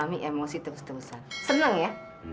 kamu ini sepertinya punya hoby ya